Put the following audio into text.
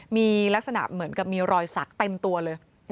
มีลักษณะเหมือนกับมีรอยสักเต็มตัวเลย